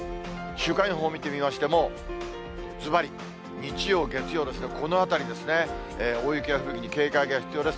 週間予報見てみましても、ずばり日曜、月曜ですね、このあたりですね、大雪や吹雪に警戒が必要です。